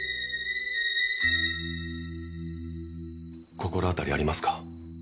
心当たりありますか？